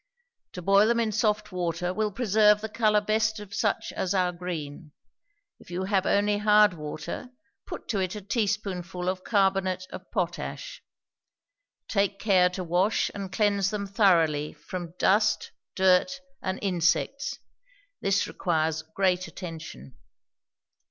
To boil them in soft water will preserve the color best of such as are green; if you have only hard water, put to it a teaspoonful of carbonate of potash. Take care to wash and cleanse them thoroughly from dust, dirt, and insects. This requires great attention.